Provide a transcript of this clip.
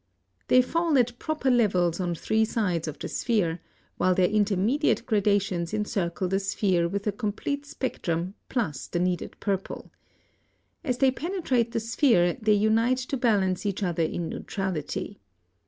(99) They fall at proper levels on three sides of the sphere, while their intermediate gradations encircle the sphere with a complete spectrum plus the needed purple. As they penetrate the sphere, they unite to balance each other in neutrality.